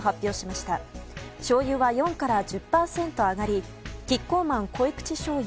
しょうゆは、４から１０％上がりキッコーマンこいくちしょうゆ